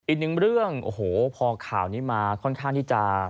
อีกหนึ่งเรื่องโอ้โหพอข่าวนี้มาค่อนข้างที่จะ